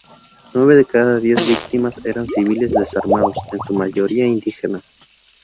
Nueve de cada diez víctimas eran civiles desarmados, en su mayoría indígenas.